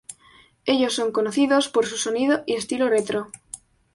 Ellos son conocidos por su sonido y estilo retro.